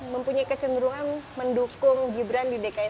mempunyai kecenderungan mendukung gibran di dki